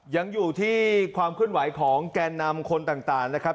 ยังอยู่ที่ความเคลื่อนไหวของแกนนำคนต่างนะครับ